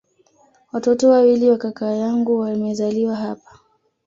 Watoto wawili wa kaka yangu wamezaliwa hapa